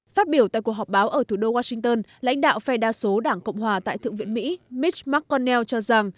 phát biểu tại cuộc họp báo ở thủ đô washington lãnh đạo phe đa số đảng cộng hòa tại thượng viện mỹ mits mcconnell cho rằng